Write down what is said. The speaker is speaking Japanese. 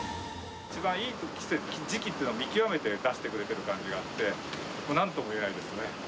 一番いい時期というのを見極めて出してくれてる感じがあって、なんとも言えないですね。